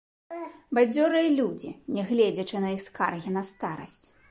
Бадзёрыя людзі, нягледзячы на іх скаргі на старасць.